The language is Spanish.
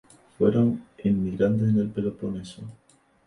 Fueron inmigrantes en el Peloponeso.